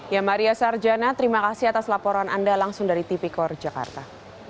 ya maria sarjana terima kasih atas laporan anda langsung dari tipikor jakarta